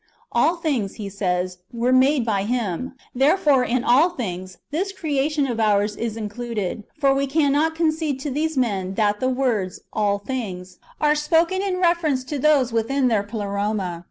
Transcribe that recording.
"^ "All things," he says, "were made by Him;" therefore in "all things" this creation of ours is [included], for we can not concede to these men that [the words] " all things" are spoken in reference to those within their Pleroma.